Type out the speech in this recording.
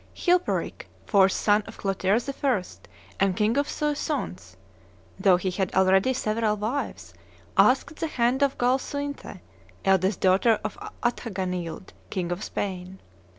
Chilperic, fourth son of Clotaire I. and king of Soissons, "though he had already several wives, asked the hand of Galsuinthe, eldest daughter of Athanagild, king of Spain.